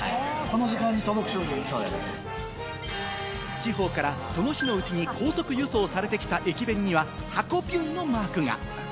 地方からその日のうちに高速輸送されてきた駅弁には、はこビュンのマークが。